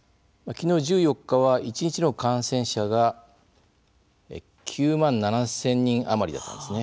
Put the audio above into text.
きのう１４日は一日の感染者が９万７０００人余りだったんです。